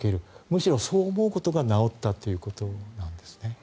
むしろそう思うことが治ったということなんですね。